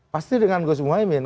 pasti dengan gus muhaymin